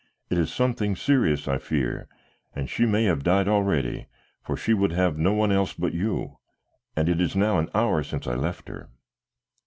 It is something serious I fear, and she may have died already, for she would have no one else but you, and it is now an hour since I left her."